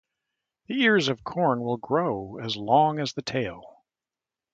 The ears of corn will grow as long as the tail.